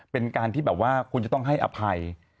เป็นการที่แบบว่าคุณจะต้องให้อภัย